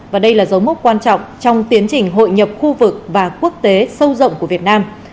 và đây là dấu mốc quan trọng trong tiến trình hội nhập khu vực và quốc tế sâu rộng của việt nam